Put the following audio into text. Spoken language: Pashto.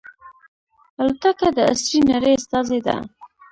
الوتکه د عصري نړۍ استازې ده.